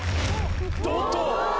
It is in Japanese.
おっと！